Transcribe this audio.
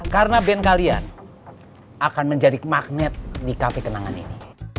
karena band kalian akan menjadi magnet di cafe kenangan ini